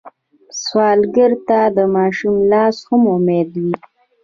سوالګر ته د ماشوم لاس هم امید وي